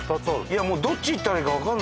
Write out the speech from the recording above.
いやもうどっち行ったらいいかわかんないよ。